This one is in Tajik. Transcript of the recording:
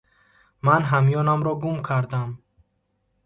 Ман ҳамёнамро гум кардам.